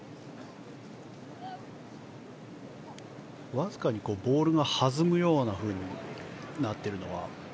わずかにボールが弾むようになっているのは？